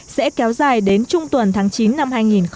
sẽ kéo dài đến trung tuần tháng chín năm hai nghìn một mươi tám